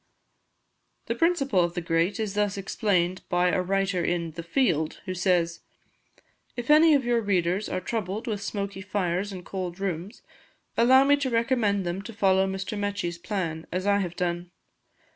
The principle of the grate is thus explained by a writer in 'The Field', who says: "If any of your readers are troubled with smoky fires and cold rooms, allow me to recommend them to follow Mr. Mechi's plan, as I have done.